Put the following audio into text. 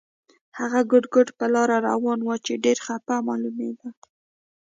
هغه ګوډ ګوډ پر لار روان و چې ډېر خپه معلومېده.